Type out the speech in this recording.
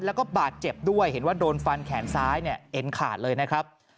แล้วก็บาดเจ็บด้วยเห็นว่าโดนฟันแขนซ้ายเนี่ยเอ็นขาดเลยนะครับ